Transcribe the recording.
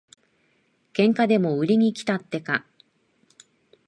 喧嘩でも売りにきたってか。